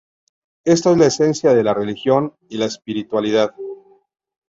Esto es la esencia de la religión; y la espiritualidad.